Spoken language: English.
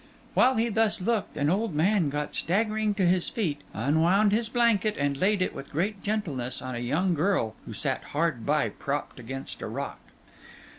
While he thus looked, an old man got staggering to his feet, unwound his blanket, and laid it, with great gentleness, on a young girl who sat hard by propped against a rock.